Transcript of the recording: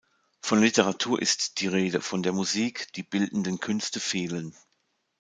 Von Literatur ist die Rede, von der Musik, die bildenden Künste fehlen.